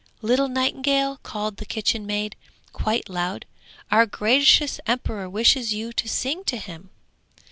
'Little nightingale!' called the kitchen maid quite loud, 'our gracious emperor wishes you to sing to him!'